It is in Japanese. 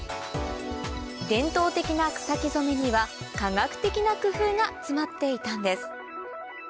伝統的な草木染めには科学的な工夫が詰まっていたんです